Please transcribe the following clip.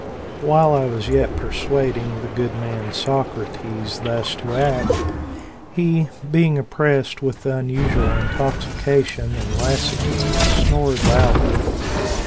" While I was yet persuading the good man Socrates thus to act, he, being oppressed with unusual intoxication and lassitude, snored loudly.